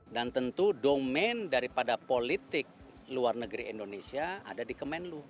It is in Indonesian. tentu domain daripada politik luar negeri indonesia ada di kemenlu